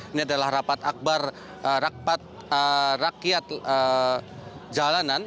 ini adalah rapat akbar rapat rakyat jalanan